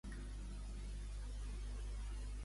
Què va fer Icari amb la seva filla Penèlope?